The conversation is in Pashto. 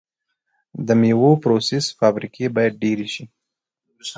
د میوو پروسس فابریکې باید ډیرې شي.